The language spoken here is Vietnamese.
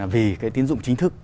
là vì cái tín dụng chính thức